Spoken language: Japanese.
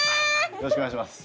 よろしくお願いします。